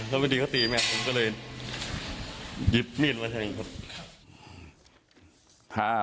แล้วบางทีเขาตีแม่ผมก็เลยยิบมีดมาใช่ไหมครับ